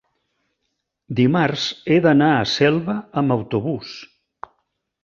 Dimarts he d'anar a Selva amb autobús.